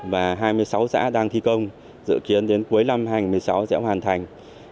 và hai mươi sáu xã đang thi công dự kiến đến cuối năm hai nghìn một mươi sáu sẽ hoàn thành